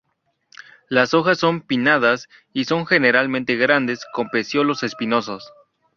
Las hojas son pinnadas y son generalmente grandes, con pecíolos espinosos.